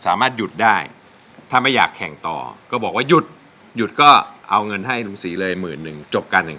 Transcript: สามารถหยุดแต่ถ้าไม่อยากแข่งต่อหยุดหยุดก็เอางเงินให้ลุงศรีละแสหนึ่ง